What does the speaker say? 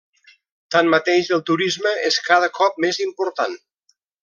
Tanmateix, el turisme és cada cop més important.